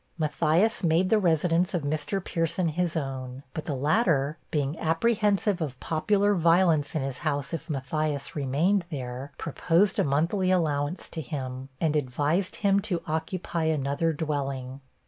Matthias made the residence of Mr. Pierson his own; but the latter, being apprehensive of popular violence in his house, if Matthias remained there, proposed a monthly allowance to him, and advised him to occupy another dwelling.